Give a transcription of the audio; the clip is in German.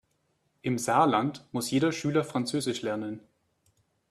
Im Saarland muss jeder Schüler französisch lernen.